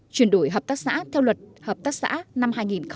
chuyển đổi hợp tác xã theo luật hợp tác xã năm hai nghìn một mươi hai